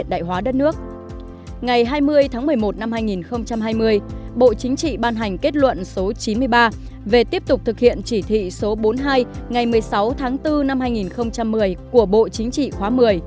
ngày hai mươi tháng một mươi một năm hai nghìn hai mươi bộ chính trị ban hành kết luận số chín mươi ba về tiếp tục thực hiện chỉ thị số bốn mươi hai ngày một mươi sáu tháng bốn năm hai nghìn một mươi của bộ chính trị khóa một mươi